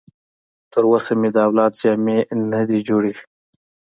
تر اوسه مې د اولاد جامې نه دي جوړې.